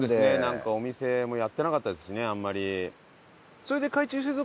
なんかお店もやってなかったですしねあんまり。